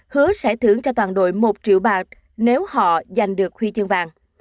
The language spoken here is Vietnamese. hứa sẽ thưởng cho toàn đội một triệu bạc nếu họ giành được huy chương vàng